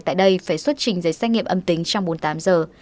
tại đây phải xuất trình giấy xét nghiệm âm tính trong bốn mươi tám giờ